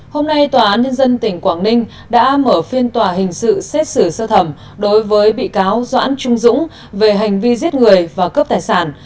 hôm nay tòa án nhân dân tỉnh quảng ninh đã mở phiên tòa hình sự xét xử sơ thẩm đối với bị cáo doãn trung dũng về hành vi giết người và cướp tài sản